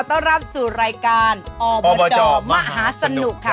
ต้อนรับสู่รายการอบจมหาสนุกค่ะ